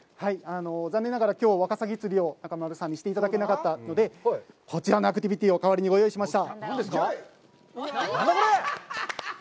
残念ながら、きょう、ワカサギ釣りを中丸さんにしていただけなかったので、こちらのアクティビティを代わりにご用意しました。